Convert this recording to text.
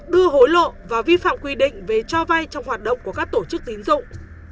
đưa hối lộ và vi phạm quy định về cho vay trong hoạt động của các tổ chức tín dụng